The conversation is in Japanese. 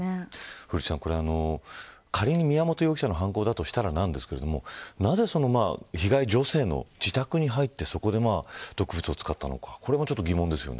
古市さん、仮に宮本容疑者の犯行だとしたらですがなぜ、被害女性の自宅に入ってそこで毒物を使ったのかこれも疑問ですよね。